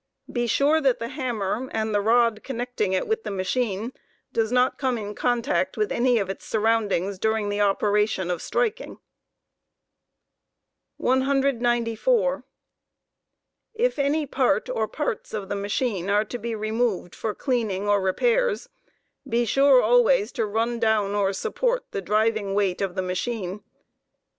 Be sure that the hammer and the rod connecting it with the machine does n ^ unmer and not come in contact with any of its surroundings during the operation of striking. 194. If: any part or parts of the machine are to be removed for cleaning or repairs, p*£ m v 1 * 8 bedsore always to run down or support the driving weight of the machine.